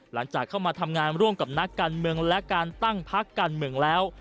หลังจากเข้ามาทำงานร่วมกับนักการเมืองและการตั้งพักการเมืองแล้ว